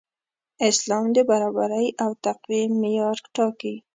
اسلام د برابرۍ او تقوی معیار ټاکي.